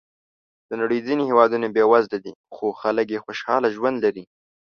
د نړۍ ځینې هېوادونه بېوزله دي، خو خلک یې خوشحاله ژوند لري.